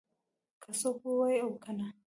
که څوک ووايي او که نه.